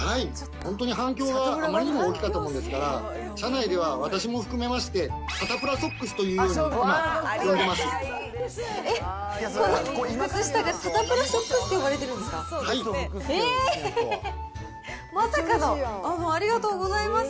本当に反響があまりにも大きかったものですから、社内では私も含めまして、サタプラソックスと今、呼んでます。